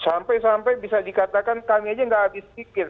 sampai sampai bisa dikatakan kami aja nggak habis pikir